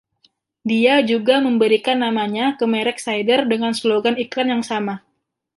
Dia juga memberikan namanya ke merek sider dengan slogan iklan yang sama.